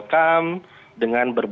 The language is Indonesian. dan kami sangat berharap